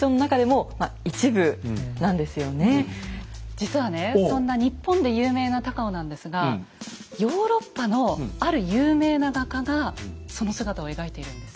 実はねそんな日本で有名な高尾なんですがヨーロッパのある有名な画家がその姿を描いているんです。